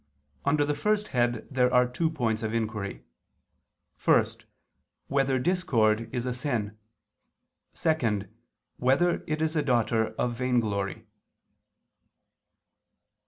Under the first head there are two points of inquiry: (1) Whether discord is a sin? (2) Whether it is a daughter of vainglory?